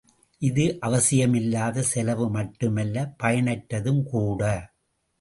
இது அவசியமில்லாத செலவு மட்டும் அல்ல, பயனற்றதும் கூட!